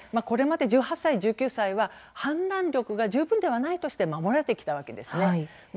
これまで１８歳１９歳は判断力が十分ではないとして守られてきたんですね。